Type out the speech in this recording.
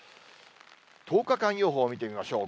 １０日間予報見てみましょう。